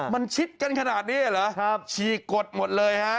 มันชิดกันขนาดนี้เหรอครับฉีกกดหมดเลยฮะ